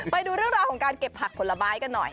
ไปดูเรื่องราวของการเก็บผักผลไม้กันหน่อย